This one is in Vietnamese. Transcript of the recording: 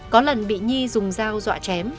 có lần bị nhi dùng dao dọa chém